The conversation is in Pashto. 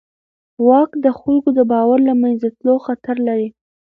واک د خلکو د باور له منځه تلو خطر لري.